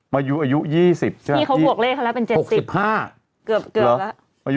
มายูอายุ๒๐ใช่ปะ